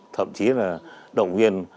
thậm chí là động viên